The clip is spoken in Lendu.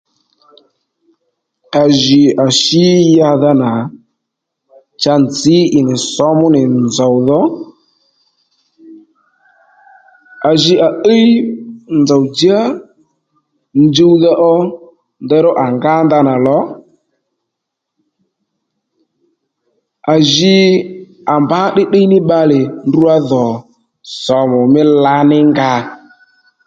À jì à shǐ yadha nà cha nzǐ ì nì sǒmu nì nzòw dho à ji à íy nzòw-djá njuwdha ó ndeyró à ngá ndanà lò à ji à mbǎ tdiytdiy ní bbalè ndrǔ ra dhò sòmù mí lǎnínga